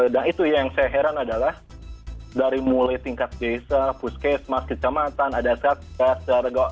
nah itu yang saya heran adalah dari mulai tingkat desa puskesmas kecamatan ada satgas